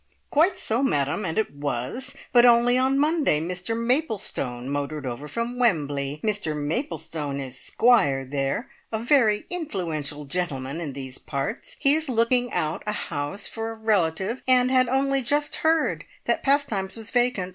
"Quite so, madam. And it was. But only on Monday Mr Maplestone motored over from Wembly. Mr Maplestone is Squire there a very influential gentleman in these parts. He is looking out a house for a relative, and had only just heard that Pastimes was vacant.